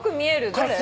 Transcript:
どれ？